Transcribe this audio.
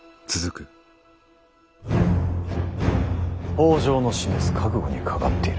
北条の示す覚悟にかかっている。